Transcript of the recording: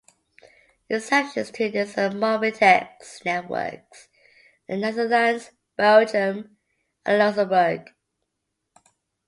Exceptions to this are Mobitex networks in the Netherlands, Belgium and Luxembourg.